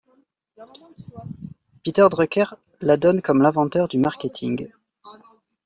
Peter Drucker la donne comme l'inventeur du marketing.